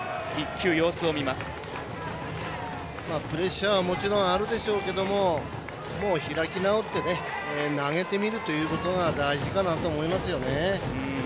プレッシャーはもちろんあるでしょうけども開き直って投げてみるということが大事かなと思いますね。